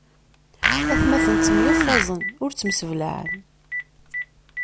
Atmaten ttemyeffaẓen, ur ttemseblaɛen.